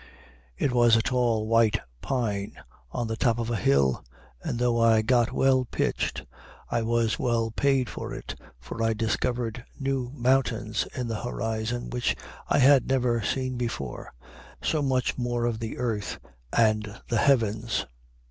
It was a tall white pine, on the top of a hill; and though I got well pitched, I was well paid for it, for I discovered new mountains in the horizon which I had never seen before, so much more of the earth and the heavens.